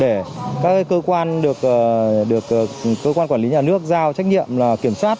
để các cơ quan được cơ quan quản lý nhà nước giao trách nhiệm kiểm soát